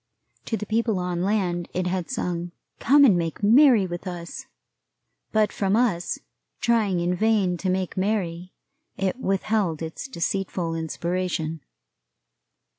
To the people on land it had sung, "Come and make merry with us," but from us, trying in vain to make merry, it withheld its deceitful inspiration.